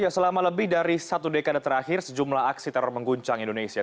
selama lebih dari satu dekade terakhir sejumlah aksi teror mengguncang indonesia